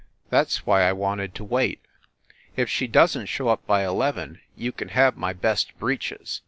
That s why I wanted to wait. If she doesn t show up by eleven you can have my best breeches."